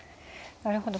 なるほど。